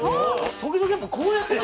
時々やっぱこうやって。